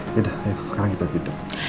yaudah ayo sekarang kita hidup